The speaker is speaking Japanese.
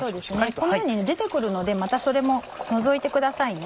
このように出て来るのでまたそれも除いてくださいね。